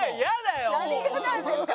何がなんですか！